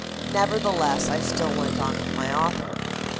Nevertheless, I still went on with my author.